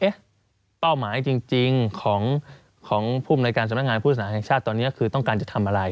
เป้าหมายจริงของภูมิในการสำนักงานผู้สนานแห่งชาติตอนนี้คือต้องการจะทำอะไร